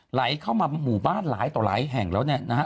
ไหลเข้ามาหมู่บ้านหลายต่อหลายแห่งแล้วเนี่ยนะฮะ